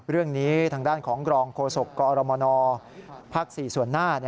เรื่องนี้ทางด้านของกรองโฆษกกรมนภ๔ส่วนหน้า